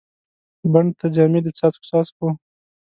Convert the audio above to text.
بڼ ته جامې د څاڅکو، څاڅکو